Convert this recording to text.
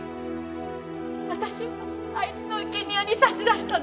私をあいつの生け贄に差し出したの。